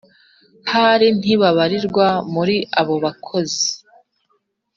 ahari ntibabarirwa muri abo bakozi